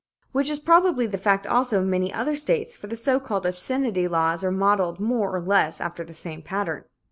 Such is probably the fact, also, in many other states, for the so called "obscenity" laws are modelled more or less, after the same pattern.